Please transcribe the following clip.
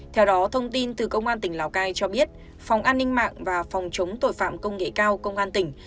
theo đó thông tin từ công an tỉnh lào cai cho biết phòng an ninh mạng và phòng chống tội phạm công nghệ cao công an tỉnh